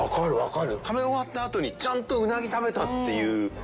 食べ終わった後にちゃんとうなぎ食べたっていう。